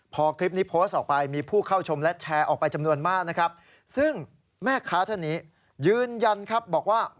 พอคลิปนี้โพสต์ออกไปมีผู้เข้าชมและแชร์ออกไปจำนวนมากนะครับ